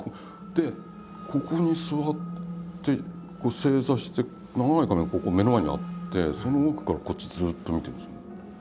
でここに座って正座して長い髪がこう目の前にあってその奥からこっちずっと見てるんですよ。